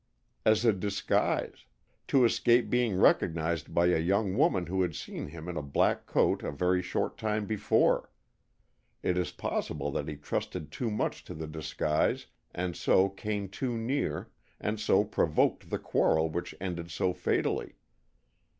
"As a disguise. To escape being recognized by a young woman who had seen him in a black coat a very short time before. It is possible that he trusted too much to the disguise and so came too near, and so provoked the quarrel which ended so fatally.